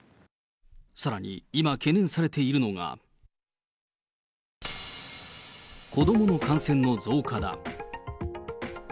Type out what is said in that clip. さらに今、懸念されているのが、子どもの感染の増加だ。